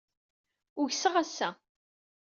Ugseɣ ass-a.